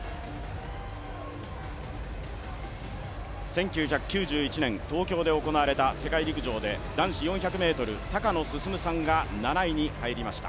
１９９１年東京で行われた世界陸上で男子４００ｍ、高野進さんが７位に入りました。